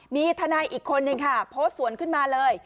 มีทนายอีกคนนึงค่ะโพสต์สวนขึ้นมาเลย